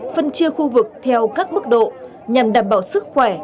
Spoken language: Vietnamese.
phân chia khu vực theo các mức độ nhằm đảm bảo sức khỏe